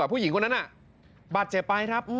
ผู้หญิงคนนั้นบาดเจ็บไปครับ